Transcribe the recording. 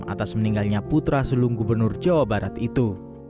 atas meninggalnya putra sulung gubernur jawa barat itu